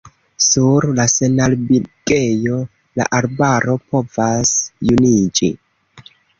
Sur la senarbigejo la arbaro povas juniĝi.